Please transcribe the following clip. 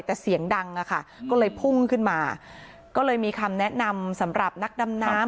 แต่เสียงดังอะค่ะก็เลยพุ่งขึ้นมาก็เลยมีคำแนะนำสำหรับนักดำน้ำ